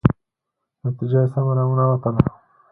نتیجه یې سمه را ونه وتله.